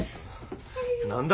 何だ！？